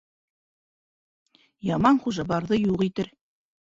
Яман хужа барҙы юҡ итер.